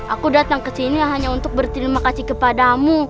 aku datang kesini hanya untuk berterima kasih kepadamu